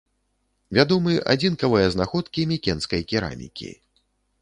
Вядомы адзінкавыя знаходкі мікенскай керамікі.